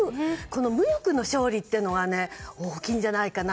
無欲の勝利というのが大きいんじゃないかな。